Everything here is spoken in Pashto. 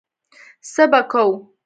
څه به کوو.